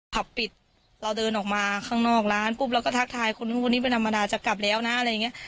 ผับปิดเราเดินออกมาข้างนอกร้านปุ๊บเราก็ทักทายคนนู้นคนนี้เป็นธรรมดาจะกลับแล้วนะอะไรอย่างนี้